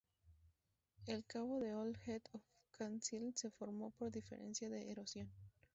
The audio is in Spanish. El Cabo de Old Head of Kinsale se formó por diferencia de erosión.